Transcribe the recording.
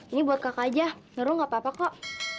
ini buat kakak aja nurul gak apa apa kok